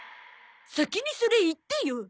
先にそれ言ってよ。